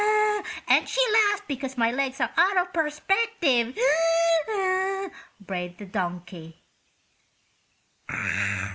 "And she laughed because my legs are out of perspective," brayed the donkey.